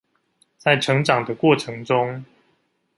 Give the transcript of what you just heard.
在成長的過程中